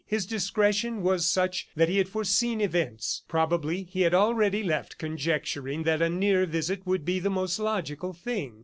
His discretion was such that he had foreseen events. Probably he had already left, conjecturing that a near visit would be the most logical thing.